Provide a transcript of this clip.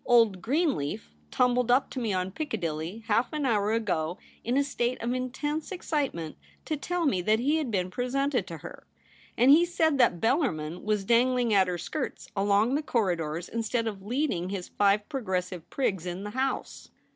Old Greenleaf tumbled up to me on Piccadilly half an hour ago in a state of intense excitement to tell me that he had been presented to her ; and he said that Bellarmin was dangHng at her skirts along the corridors instead of leading his five Pro gressive Prigs in the House.'